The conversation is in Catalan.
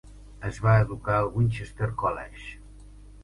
Es va educar al Winchester College.